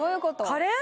カレー？